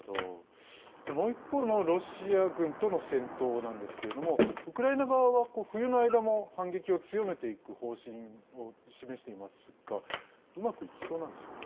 もう一方のロシア軍との戦闘なんですけれどもウクライナ側は冬の間も反撃を強めていく方針を示していますがうまくいきそうなんでしょうか？